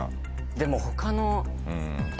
でも他の。